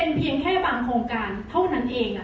มีเพียงบางโครงการที่เดินต่อไปเท่านั้นเอง